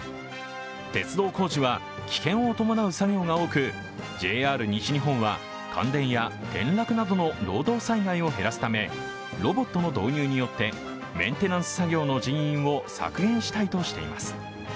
鉄道工事は危険を伴う作業が多くＪＲ西日本は、感電や転落などの労働災害を減らすためロボットの導入によってメンテナンス作業の人員を削減したいとしています。